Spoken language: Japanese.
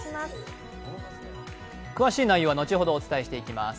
詳しい内容は後ほどお伝えしていきます。